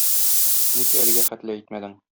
Ник әлегә хәтле әйтмәдең?